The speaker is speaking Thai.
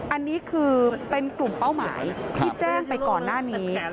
อันนี้คือเป็นกลุ่มเป้าหมายที่แจ้งไปก่อนหน้านี้